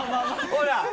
ほら！